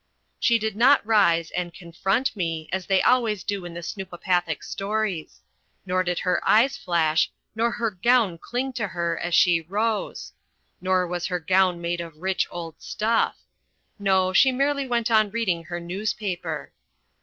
She did not rise and "confront" me, as they always do in the snoopopathic stories. Neither did her eyes flash, nor her gown cling to her as she rose. Nor was her gown made of "rich old stuff." No, she merely went on reading her newspaper.